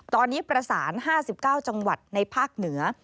ตอนนี้ประสาน๕๙จังหวัดในภาคเหนือ